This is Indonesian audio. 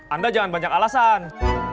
anda jangan banyak alasan